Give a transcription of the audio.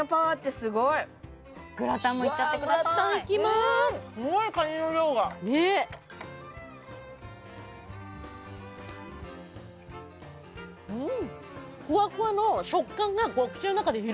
すごいカニの量がうん！